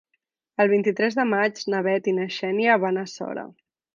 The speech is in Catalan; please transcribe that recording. El vint-i-tres de maig na Bet i na Xènia van a Sora.